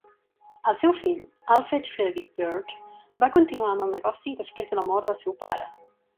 El seu fill Alfred Frederick Bird va continuar amb el negoci després de la mort del seu pare.